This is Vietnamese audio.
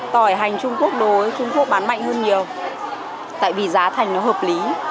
tỏi hành trung quốc đối với trung quốc bán mạnh hơn nhiều tại vì giá thành nó hợp lý